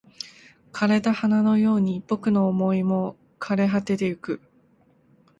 枯れた花のように僕の想いも枯れ果ててゆく